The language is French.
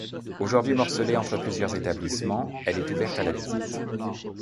Aujourd'hui morcelée entre plusieurs établissements, elle est ouverte à la visite.